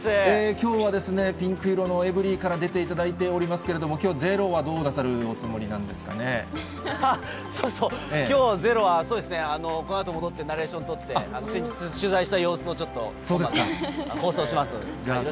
きょうはピンク色のエブリィから出ていただいておりますけれども、きょうはｚｅｒｏはどうなきょう、ｚｅｒｏはそうですね、このあと戻って、ナレーション撮って、先日取材した様子をちょっと、放送します。